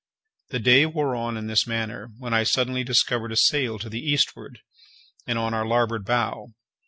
The day wore on in this manner, when I suddenly discovered a sail to the eastward, and on our larboard bow.